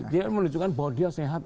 dia menunjukkan bahwa dia sehat